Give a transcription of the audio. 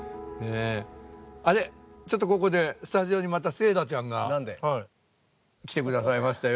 ちょっとここでスタジオにまたセーラちゃんが来て下さいましたよ。